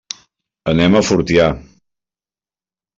Anem a Fortià.